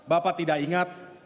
bapak tidak ingat